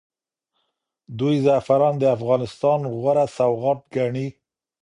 دوی زعفران د افغانستان غوره سوغات ګڼي.